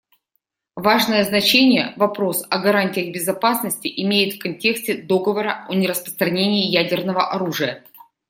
Важное значение вопрос о гарантиях безопасности имеет в контексте Договора о нераспространении ядерного оружия.